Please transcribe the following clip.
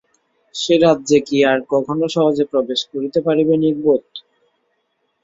সে রাজ্যে আর কি কখনো সহজে প্রবেশ করিতে পারিবে নির্বোধ?